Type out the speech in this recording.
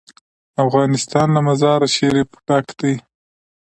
افغانستان له مزارشریف ډک دی.